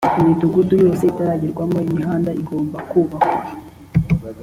imidugudu yose itarageramo imihanda igomba kubakwa